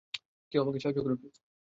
কেউ আমাকে সাহায্য করুন!